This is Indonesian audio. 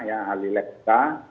alih lab kita